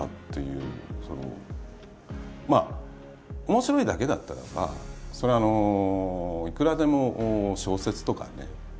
面白いだけだったらばそれはいくらでも小説とかね